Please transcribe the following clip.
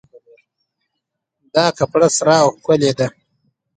دا کپړه سره او ښکلې ده